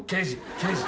刑事。